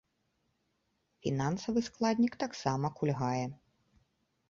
Фінансавы складнік таксама кульгае.